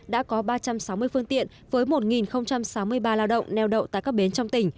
đã có ba trăm sáu mươi phương tiện với một sáu mươi ba lao động neo động tại các bến